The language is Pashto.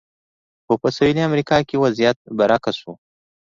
خو په سویلي امریکا کې وضعیت برعکس و.